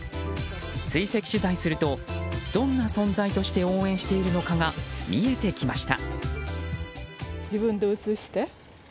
追跡取材するとどんな存在として応援しているのかが見えてきました。